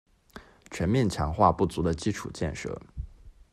全面强化不足的基础建设